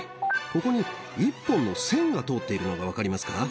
ここに一本の線が通っているのが分かりますか？